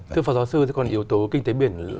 thưa phó giáo sư thì còn yếu tố kinh tế biển